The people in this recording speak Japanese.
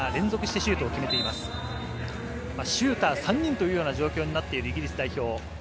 シューター３人という状況になっているイギリス代表。